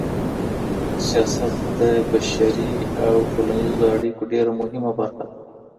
سياست د بشري او ټولنيزو اړيکو ډېره مهمه برخه ده.